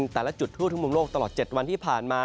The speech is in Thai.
แต่ละจุดทั่วทุกมุมโลกตลอด๗วันที่ผ่านมา